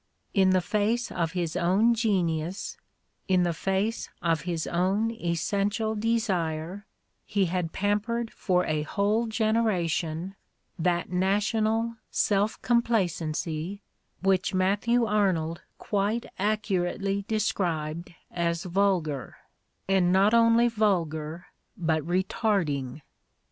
In the face of his own genius, in the face of his own essential desire, he had pampered for a whole genera tion that national self complacency which Matthew Arnold quite accurately described as vulgar, and not only vulgar but retarding.